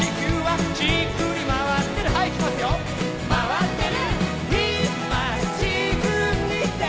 回ってる！